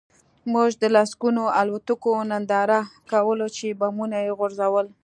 موږ د لسګونو الوتکو ننداره کوله چې بمونه یې غورځول